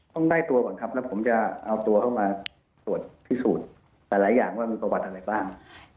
ต้องได้ตัวก่อนครับแล้วผมจะเอาตัวเข้ามาตรวจพิสูจน์หลายอย่างว่ามีประวัติอะไรบ้าง